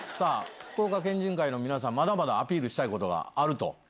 福岡県人会の皆さんまだまだアピールしたいことがあると。